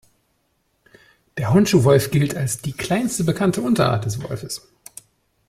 Der Honshū-Wolf gilt als die kleinste bekannte Unterart des Wolfes.